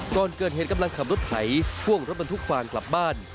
ก่อนเกิดเหตุกำลังขับรถไถพ่วงรถบรรทุกฟางกลับบ้าน